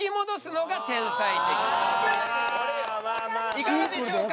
いかがでしょうか？